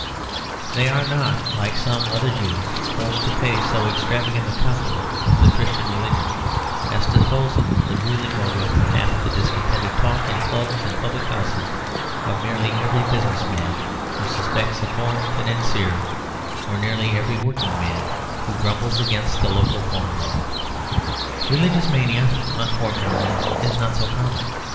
They are not, like some other Jews, forced to pay so extravagant a compliment to the Christian religion as to suppose it the ruling motive of half the discontented talk in clubs and public houses, of nearly every business man who suspects a foreign financier, or nearly every working man who grumbles against the local pawn broker. Religious mania, unfortunately, is not so common.